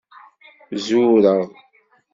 Zureɣ.